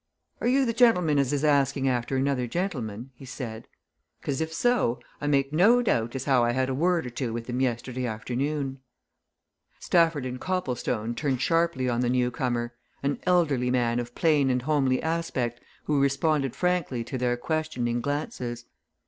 "Are you the gentlemen as is asking after another gentleman?" he said. "'Cause if so, I make no doubt as how I had a word or two with him yesterday afternoon." Stafford and Copplestone turned sharply on the newcomer an elderly man of plain and homely aspect who responded frankly to their questioning glances.